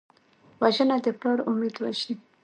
وژنه د پلار امید وژني